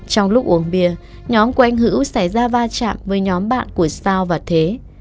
trong lúc uống bia nhóm của anh hữu xảy ra va chạm với nhóm bạn của sao và thế